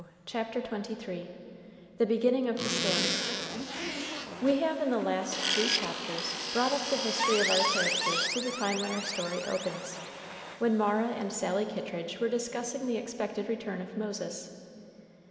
CHAPTER XXIII THE BEGINNING OF THE STORY We have in the last three chapters brought up the history of our characters to the time when our story opens, when Mara and Sally Kittridge were discussing the expected return of Moses.